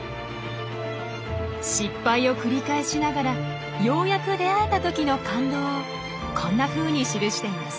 失敗を繰り返しながらようやく出会えた時の感動をこんなふうに記しています。